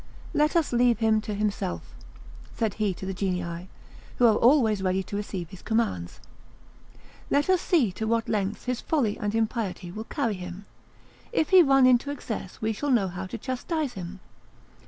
"Let us leave him to himself," said he to the genii, who are always ready to receive his commands; "let us see to what lengths his folly and impiety will carry him; if he run into excess we shall know how to chastise him.